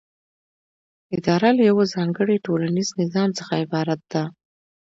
اداره له یوه ځانګړي ټولنیز نظام څخه عبارت ده.